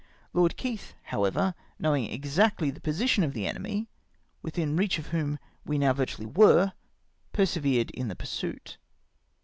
Lord Keith, however, knowing ex actly the position of the enemy, witlihi reach of whom we now \drtually were, persevered in the pursuit.